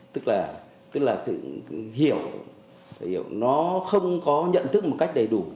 tức là hiểu nó không có nhận thức một cách đầy đủ